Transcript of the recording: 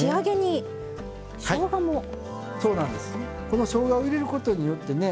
このしょうがを入れることによってね